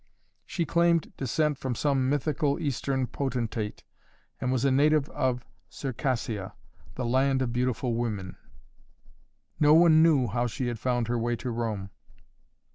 She claimed descent from some mythical eastern potentate and was a native of Circassia, the land of beautiful women. No one knew how she had found her way to Rome.